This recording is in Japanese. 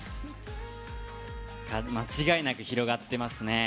間違いなく広がっていますね。